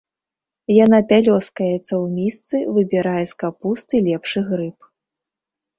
Яна пялёскаецца ў місцы, выбірае з капусты лепшы грыб.